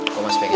gue masih pengen